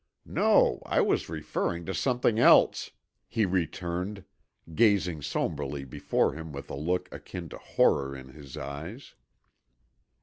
No, I was referring to something else," he returned, gazing somberly before him with a look akin to horror in his eyes.